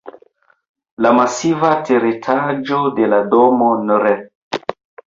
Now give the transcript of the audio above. La masiva teretaĝo de la domo nr.